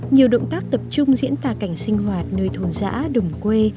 nhiều động tác tập trung diễn tả cảnh sinh hoạt nơi thôn giã đồng quê